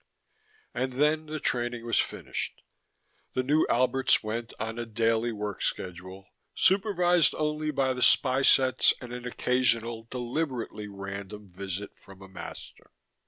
And then the training was finished. The new Alberts went on a daily work schedule, supervised only by the spy sets and an occasional, deliberately random visit from a master.